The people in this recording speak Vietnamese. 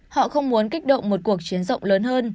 họ không muốn kích động một cuộc chiến rộng lớn hơn